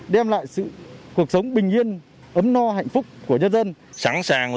đem lại cuộc sống bình yên ấm no hạnh phúc của nhân dân